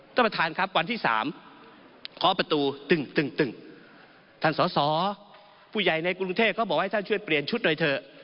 ท่านประธานครับวันที่๓ขอประตูตึงท่านสอสอผู้ใหญ่ในกรุงเทพเขาบอกให้ท่านช่วยเปลี่ยนชุดหน่อยเถอะ